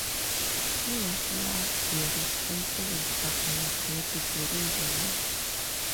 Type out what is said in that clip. He was largely responsible for our growth during the war.